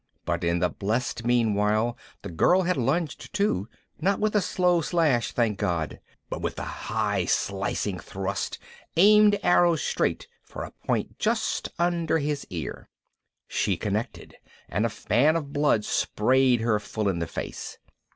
But in the blessed meanwhile the girl had lunged too, not with a slow slash, thank God, but with a high, slicing thrust aimed arrow straight for a point just under his ear. She connected and a fan of blood sprayed her full in the face.